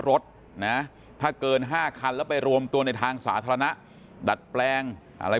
รถนะถ้าเกิน๕คันแล้วไปรวมตัวในทางสาธารณะดัดแปลงอะไร